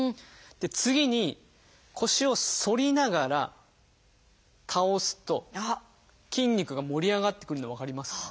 で次に腰を反りながら倒すと筋肉が盛り上がってくるの分かりますか？